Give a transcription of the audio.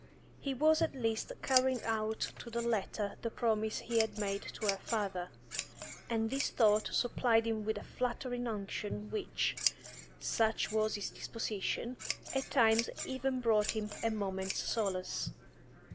He was at least carrying out to the letter the promise he had made to her father, and this thought supplied him with a flattering unction which, such was his disposition, at times even brought him a moment's solace.